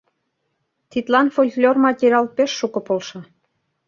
Тидлан фольклор материал пеш шуко полша.